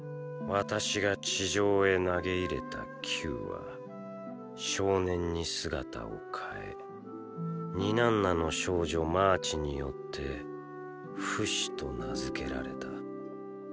私が地上へ投げ入れた球は少年に姿を変えニナンナの少女マーチによって「フシ」と名付けられた。